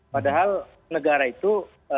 padahal negara itu